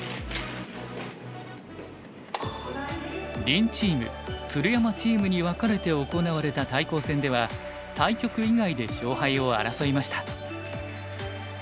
林チーム鶴山チームに分かれて行われた対抗戦では対局以外で勝敗を争いました。